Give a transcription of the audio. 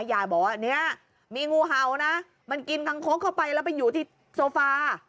ยายบอกว่าเนี่ยมีงูเห่านะมันกินคังคกเข้าไปแล้วไปอยู่ที่โซฟา